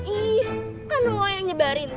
ih kan semua yang nyebarin